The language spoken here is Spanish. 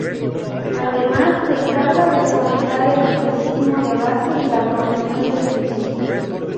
Además, se encarga de fomentar el ciclismo de base y la promoción del ciclismo.